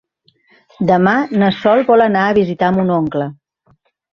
Demà na Sol vol anar a visitar mon oncle.